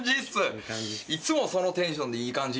いつもそのテンションで「いい感じ」